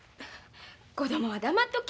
子供は黙っとき。